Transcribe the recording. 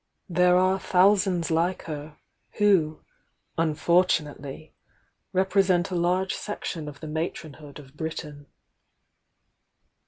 There are thousands bke her, who, unfortunately, represent a large section of the matronhood of Britain.